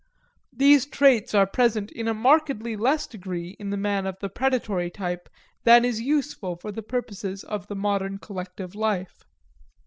These traits are present in a markedly less degree in the man of the predatory type than is useful for the purposes of the modern collective life.